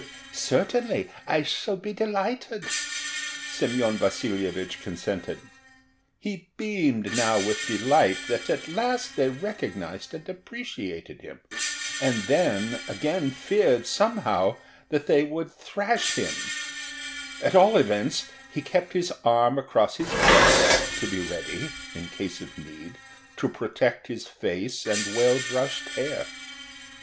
"Certainly, I shall be delighted," Semyon Vasilyevich consented. He beamed now with delight that at last they recognized and appreciated him, and then again feared somehow that they would thrash him; at all events he kept his arm across his breast, to be ready, in case of need, to protect his face and well brushed hair.